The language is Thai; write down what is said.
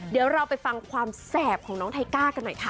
เดี๋ยวเราไปฟังความแสบของน้องไทก้ากันหน่อยค่ะ